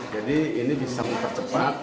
jadi ini bisa mempercepat